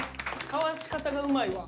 かわし方がうまいわ。